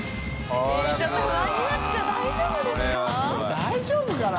大丈夫かな？